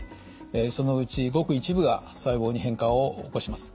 そのうちごく一部が細胞に変化を起こします。